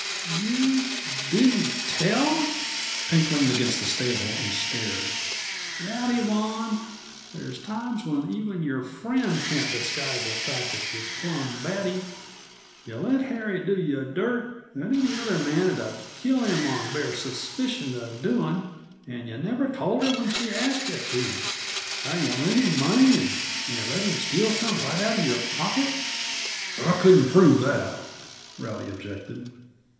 "You didn't tell!" Pink leaned against the stable and stared. "Rowdy Vaughan, there's times when even your friend can't disguise the fact that yuh act plumb batty. Yuh let Harry do yuh dirt that any other man'd 'a' killed him on bare suspicion uh doing; and yuh never told her when she asked yuh to! How yuh lent him money, and let him steal some right out uh your pocket " "I couldn't prove that," Rowdy objected.